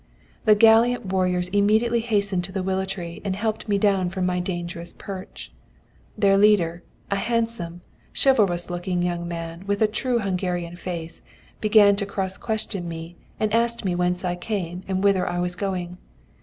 "The gallant warriors immediately hastened to the willow tree and helped me down from my dangerous perch. Their leader, a handsome, chivalrous looking young man, with a true Hungarian face, began to cross question me, and asked me whence I came and whither I was going.